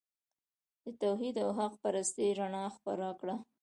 د توحید او حق پرستۍ رڼا خپره کړه.